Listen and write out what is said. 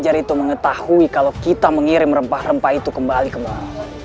aku tahu siapa yang berkhianat diantara kita